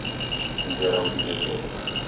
Mzera udiw'esere